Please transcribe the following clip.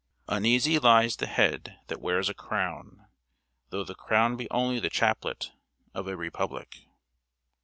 "Uneasy lies the head that wears a crown," though the crown be only the chaplet of a Republic.